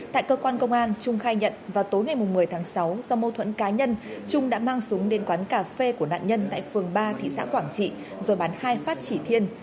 tại cơ quan công an trung khai nhận vào tối ngày một mươi tháng sáu do mâu thuẫn cá nhân trung đã mang súng đến quán cà phê của nạn nhân tại phường ba thị xã quảng trị rồi bán hai phát chỉ thiên